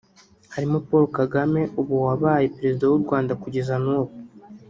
harimo Paul Kagame ubu wabaye Perezida w’u Rwanda kugeza n’ubu